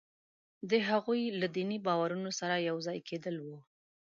د هغوی له دیني باورونو سره یو ځای کېدلو وو.